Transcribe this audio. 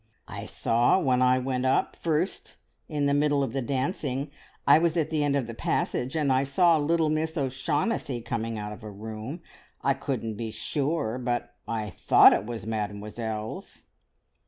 "I saw when I went up first in the middle of the dancing, I was at the end of the passage, and I saw little Miss O'Shaughnessy coming out of a room. I couldn't be sure, but I thought it was Mademoiselle's!"